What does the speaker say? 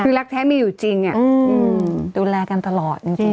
คือรักแท้มีอยู่จริงดูแลกันตลอดจริง